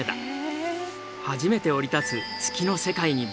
初めて降り立つ月の世界に没入する。